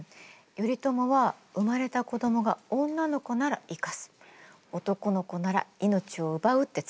頼朝は生まれた子どもが女の子なら生かす男の子なら命を奪うって告げてたの。